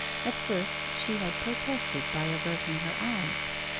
At first she had protested by averting her eyes.